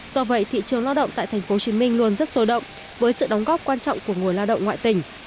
do vậy thị trường lao động tại tp hcm luôn rất sôi động với sự đóng góp quan trọng của người lao động ngoại tỉnh